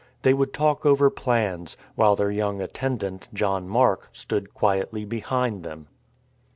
They would talk over plans, while their young attendant, John Mark, stood quietly behind them.